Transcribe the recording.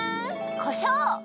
こしょう！